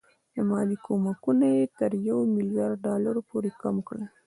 مالي کومکونه یې تر یو میلیارډ ډالرو پورې کم کړل.